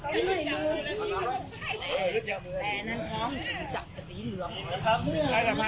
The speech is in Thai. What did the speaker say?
สวัสดีครับคุณแฟม